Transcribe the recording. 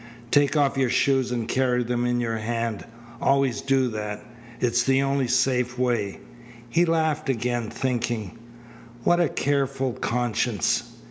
"Take off your shoes and carry them in your hand. Always do that. It is the only safe way." He laughed again, thinking: "What a careful conscience!"